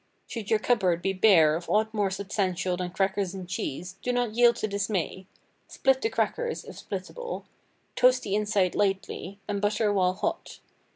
Should your cupboard be bare of aught more substantial than crackers and cheese, do not yield to dismay; split the crackers (if splittable), toast the inside lightly, and butter while hot.